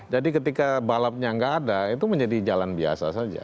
jadi ketika balapnya gak ada itu menjadi jalan biasa saja